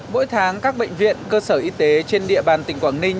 mỗi tháng các bệnh viện cơ sở y tế trên địa bàn tỉnh quảng ninh